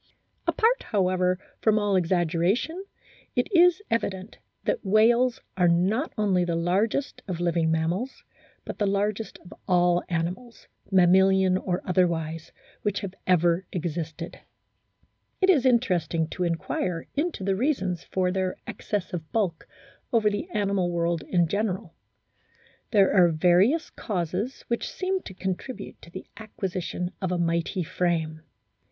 Apart, however, from all exaggeration, it is evident that whales are not only the largest of living mammals, but the largest of all animals, mamma lian or otherwise, which have ever existed. It is THE EXTERNAL FORM OF WHALES 3 interesting to inquire into the reasons for their excess of bulk over the animal world in general. There are various causes which seem to contribute to the acquisition of a mighty frame.